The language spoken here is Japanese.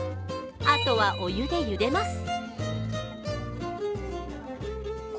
あとはお湯でゆでます。